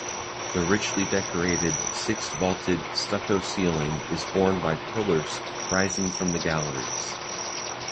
The richly decorated six-vaulted stucco ceiling is borne by pillars rising from the galleries.